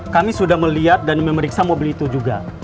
kami sudah melihat dan memeriksa mobil itu juga